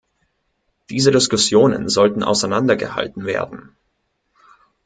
Diese Diskussionen sollten auseinander gehalten werden.